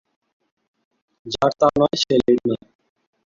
যার তা নয় সে লেডি নয়।